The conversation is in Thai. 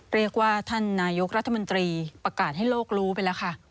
เรียกว่าท่านนายกรัฐมนตรีประกาศให้โลกรู้ไปแล้วค่ะ